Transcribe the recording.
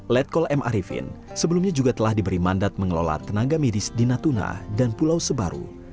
letkol m arifin sebelumnya juga telah diberi mandat mengelola tenaga medis di natuna dan pulau sebaru